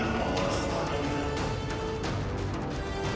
kau harus berhubungan